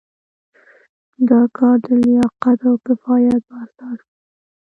دا کار د لیاقت او کفایت په اساس کیږي.